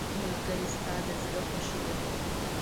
ملګری ستا د زړه خوښي ده.